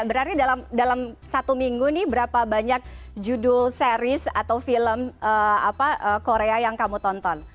berarti dalam satu minggu nih berapa banyak judul series atau film korea yang kamu tonton